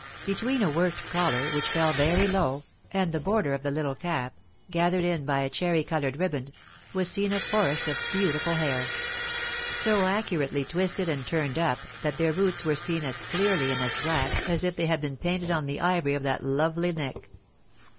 Between a worked collar, which fell very low, and the border of the little cap, gathered in by a cherry coloured riband, was seen a forest of beautiful hair, so accurately twisted and turned up that their roots were seen as clearly and as black as if they had been painted on the ivory of that lovely neck.